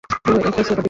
পুরো একটা super team!